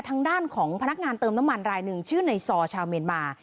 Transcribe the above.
ทางด้านของพนักงานเติมน้ำมันรายหนึ่งชื่อในซอชาวเมียนมา